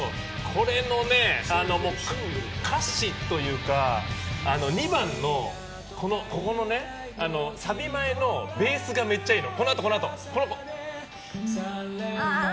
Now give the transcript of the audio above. これの歌詞というか２番の、サビ前のベースがめっちゃいいの。